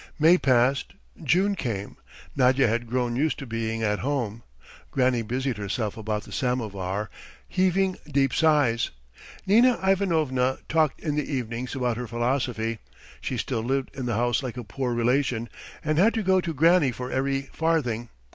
May passed; June came. Nadya had grown used to being at home. Granny busied herself about the samovar, heaving deep sighs. Nina Ivanovna talked in the evenings about her philosophy; she still lived in the house like a poor relation, and had to go to Granny for every farthing.